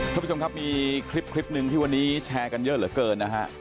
ท่านผู้ชมครับมีคลิปหนึ่งที่วันนี้แชร์กันเยอะเหลือเกินนะฮะ